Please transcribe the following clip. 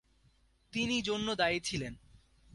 তিনি জন্য দায়ী ছিলেন।